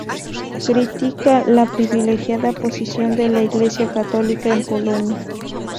Critica la privilegiada posición de la Iglesia católica en Polonia.